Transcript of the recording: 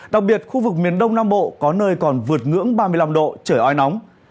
đặc biệt khu vực miền đông nam bộ có nơi còn vượt ngưỡng ba mươi năm độ trời oi nóng